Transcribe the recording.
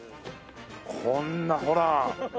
こんなほら！